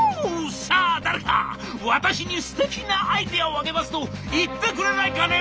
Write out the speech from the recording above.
さあ誰か私にすてきなアイデアをあげますと言ってくれないかね？